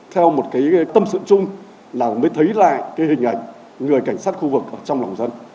theo một tâm sự chung là mới thấy lại hình ảnh người cảnh sát khu vực trong lòng dân